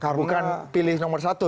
bukan pilih nomor satu